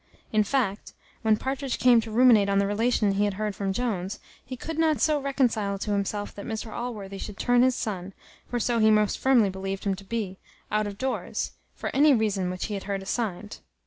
In fact, when Partridge came to ruminate on the relation he had heard from Jones, he could not reconcile to himself that Mr Allworthy should turn his son (for so he most firmly believed him to be) out of doors, for any reason which he had heard assigned.